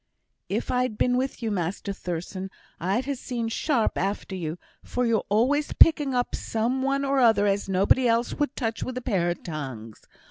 "If I'd been with you, Master Thurstan, I'd ha' seen sharp after you, for you're always picking up some one or another as nobody else would touch with a pair of tongs.